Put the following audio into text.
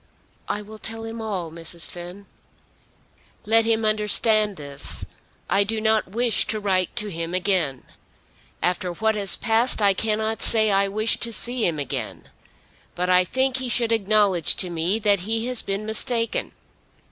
"I will tell him all, Mrs. Finn." "Let him understand this. I do not wish to write to him again. After what has passed I cannot say I wish to see him again. But I think he should acknowledge to me that he has been mistaken.